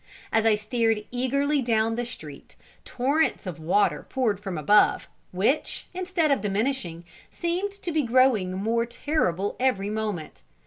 As I stared eagerly down the street, torrents of water poured from above, which, instead of diminishing, seemed to be growing more terrible every moment.